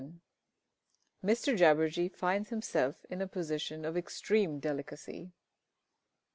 XI _Mr Jabberjee finds himself in a position of extreme delicacy.